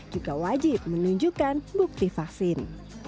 juga wajib menunjukkan bukti vaksin